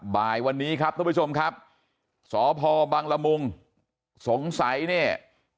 บ่ายวันนี้ครับทุกผู้ชมครับสพบังละมุงสงสัยเนี่ย